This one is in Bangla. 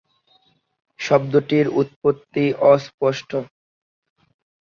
শব্দটির উৎপত্তি অস্পষ্ট।